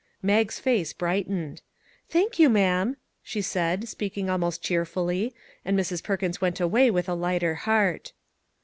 Mag's face brightened. " Thank you, ma'am," she said, speaking almost cheerfully, and Mrs. Perkins went away with a lighter heart.